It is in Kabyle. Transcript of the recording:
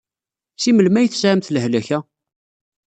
Seg melmi i tesɛamt lehlak-a?